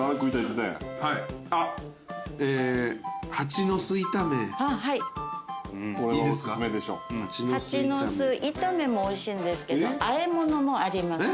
ハチノス炒めもおいしいんですけど和え物もあります。